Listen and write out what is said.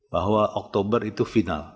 bahwa oktober itu final